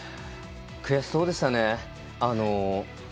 悔しそうでしたね。